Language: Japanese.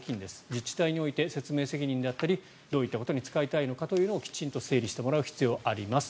自治体において説明責任であったりどういったことに使いたいのかというのをきちんと整理してもらう必要があります。